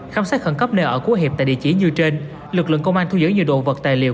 khám sát khẩn cấp nơi ở của hiệp tại địa chỉ như trên lực lượng công an thu giữ nhiều đồ vật tài liệu